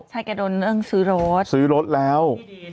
ฟังลูกครับ